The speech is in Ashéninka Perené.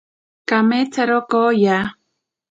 Kametsaro kooya.